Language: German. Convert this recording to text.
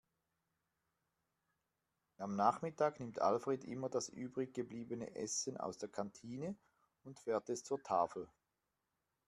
Am Nachmittag nimmt Alfred immer das übrig gebliebene Essen aus der Kantine und fährt es zur Tafel.